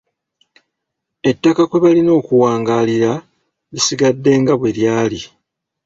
Ettaka kwe balina okuwangaalira lisigadde nga bwe lyali.